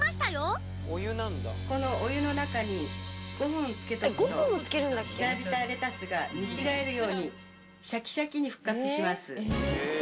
お湯の中に５分つけておくとしなびたレタスが見違えるようにシャキシャキに復活します。